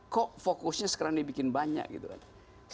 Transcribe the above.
kok fokusnya sekarang dibikin banyak gitu kan